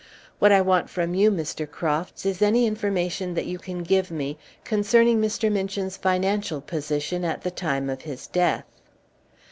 What I want from you, Mr. Crofts, is any information that you can give me concerning Mr. Minchin's financial position at the time of his death."